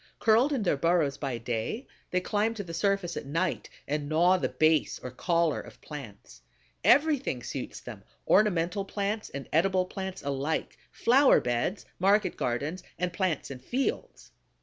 Curled in their burrows by day, they climb to the surface at night and gnaw the base or collar of plants. Everything suits them: ornamental plants and edible plants alike, flower beds, market gardens, and plants in fields.